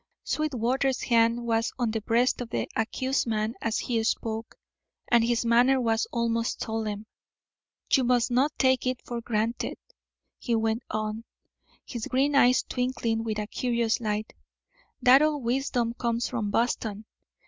Sweetwater's hand was on the breast of the accused man as he spoke, and his manner was almost solemn. "You must not take it for granted," he went on, his green eyes twinkling with a curious light, "that all wisdom comes from Boston.